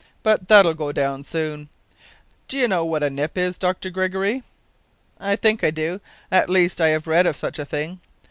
But that'll go down soon. D'ye know what a nip is, Dr Gregory?" "I think I do; at least I have read of such a thing.